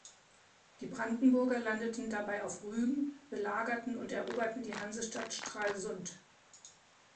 Die Brandenburger landeten dabei auf Rügen, belagerten und eroberten die Hansestadt Stralsund.